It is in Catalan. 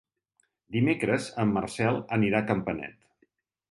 Dimecres en Marcel anirà a Campanet.